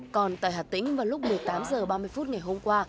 còn tại hà tĩnh vào lúc một mươi tám h ba mươi phút ngày hôm qua